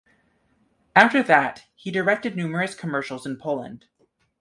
After that he directed numerous commercials in Poland.